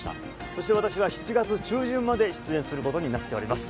そして私は７月中旬まで出演することになっております。